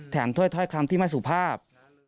ถ้วยถ้อยคำที่ไม่สุภาพ